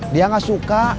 dia gak suka